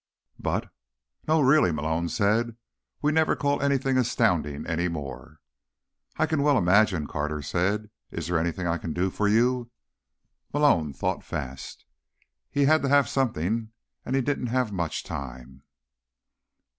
"But—" "No, really," Malone said. "We never call anything astounding any more." "I can well imagine," Carter said. "Is there anything I can do for you?" Malone thought fast. He had to have something, and he didn't have much time.